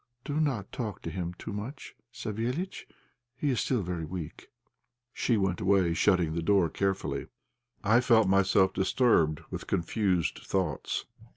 "Do not talk to him too much, Savéliitch; he is still very weak." She went away, shutting the door carefully. I felt myself disturbed with confused thoughts.